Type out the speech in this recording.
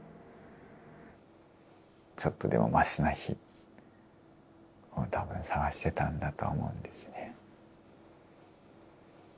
ちょっとでもましな日を多分探してたんだと思うんですね。